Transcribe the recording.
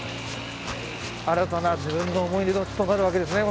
新たな自分の思い出の地となるわけですね